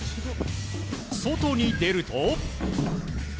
外に出ると。